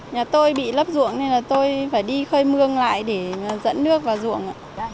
nhà tôi bị lấp ruộng nên là tôi phải đi khơi mương lại để dẫn nước vào ruộng